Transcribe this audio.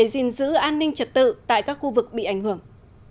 giữ an ninh trật tự tại các khu vực bị ảnh hưởng